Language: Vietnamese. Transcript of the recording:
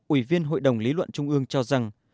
ủy viên hội đồng lý luận trung ương cho rằng